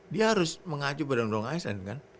dia harus mengacu pada orang asn kan